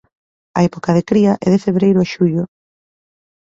A época de cría é de febreiro a xullo.